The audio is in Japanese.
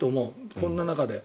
こんな中で。